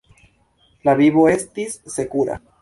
La vivo estis sekura.